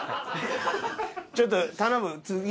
ちょっと頼む。